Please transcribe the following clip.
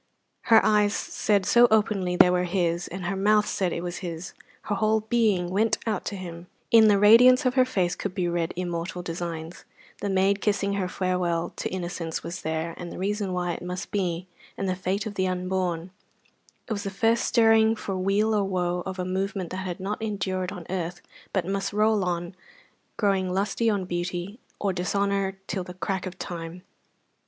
Her eyes said so openly they were his, and her mouth said it was his, her whole being went out to him; in the radiance of her face could be read immortal designs: the maid kissing her farewell to innocence was there, and the reason why it must be, and the fate of the unborn; it was the first stirring for weal or woe of a movement that has no end on earth, but must roll on, growing lusty on beauty or dishonour till the crack of time.